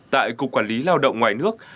tại cục quản lý lao động ngoài nước